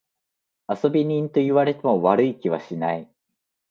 遊び人と言われても悪い気はしない。